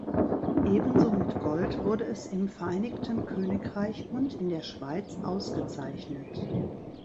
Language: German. Ebenso mit Gold wurde es im Vereinigten Königreich und in der Schweiz ausgezeichnet.